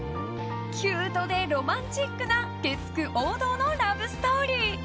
キュートでロマンチックな月９王道のラブストーリー。